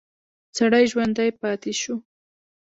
سړی ژوندی پاتې شو.